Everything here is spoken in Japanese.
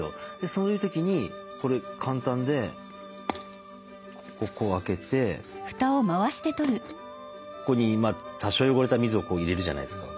そういう時にこれ簡単でここ開けてここに多少汚れた水を入れるじゃないですか。